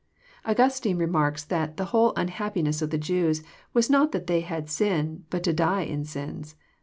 Augustine remarks that " the whole unhappiness of the Jews "was not that they had sin, but to die in sins."